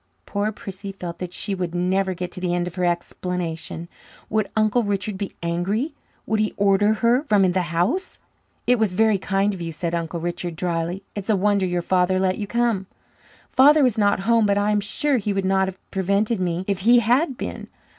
Poor Prissy felt that she would never get to the end of her explanation. Would Uncle Richard be angry? Would he order her from the house? "It was very kind of you," said Uncle Richard drily. "It's a wonder your father let you come." "Father was not home, but I am sure he would not have prevented me if he had been.